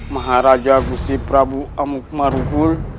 maharaja gusih prabu amukmarukul